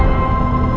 aku udah selesai